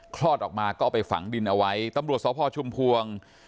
คลอดออกมาก็เอาไปฝังดินเอาไว้ตำรวจสพชุมพวง